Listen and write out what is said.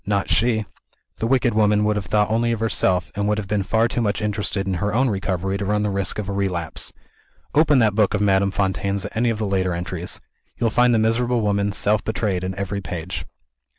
Not she! The wicked woman would have thought only of herself, and would have been far too much interested in her own recovery to run the risk of a relapse. Open that book of Madame Fontaine's at any of the later entries. You will find the miserable woman self betrayed in every page."